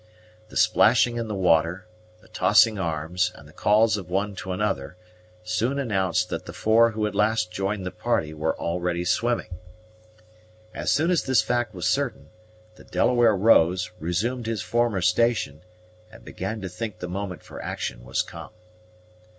The splashing in the water, the tossing arms, and the calls of one to another, soon announced that the four who had last joined the party were already swimming. As soon as this fact was certain, the Delaware rose, resumed his former station, and began to think the moment for action was come.